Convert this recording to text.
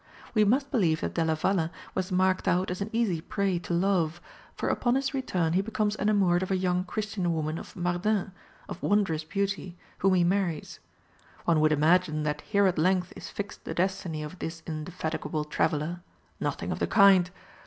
We must believe that Della Valle was marked out as an easy prey to love, for upon his return he becomes enamoured of a young Christian woman of Mardin, of wondrous beauty, whom he marries. One would imagine that here at length is fixed the destiny of this indefatigable traveller. Nothing of the kind.